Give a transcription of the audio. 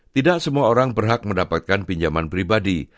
tidak semua orang berhak mendapatkan pinjaman pribadi